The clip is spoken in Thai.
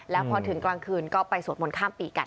แล้วพอถึงกลางคืนก็ไปสวดมนต์ข้ามปีกัน